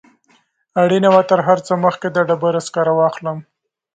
اړینه وه تر هر څه مخکې د ډبرو سکاره واخلم.